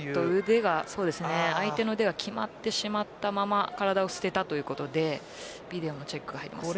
相手の腕が極まってしまったまま体を捨てたということでビデオのチェックが入ります。